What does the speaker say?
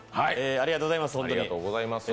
ありがとうございます。